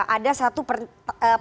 ada satu pertanyaan